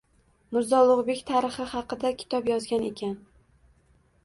Mirzo Ulug‘bek tarixi haqida kitob yozgan ekan.